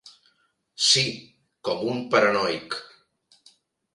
Sí, com un paranoic.